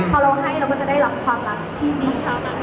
พอเราให้เราก็จะได้รับความรักที่มีเท่านั้น